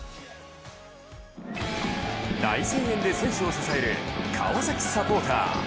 大声援で選手を支える川崎サポーター。